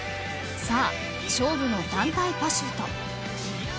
さあ、勝負の団体パシュート。